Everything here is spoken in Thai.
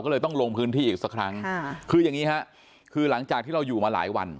ก็เลยต้องลงพื้นที่อีกสักครั้งคืออย่างนี้ฮะคือหลังจากที่เราอยู่มาหลายวัน